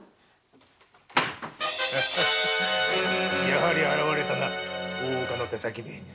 やはり現れたな大岡の手先め。